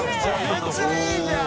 めっちゃいいじゃん！